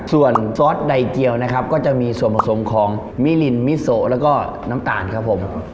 ส่วนซอสใดเจียวนะครับก็จะมีส่วนผสมของมิลินมิโซแล้วก็น้ำตาลครับผม